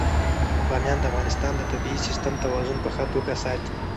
بامیان د افغانستان د طبعي سیسټم توازن په ښه توګه ساتي.